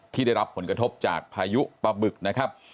ที่ได้รับผลกระทบจากพายุปะบึกนะครับ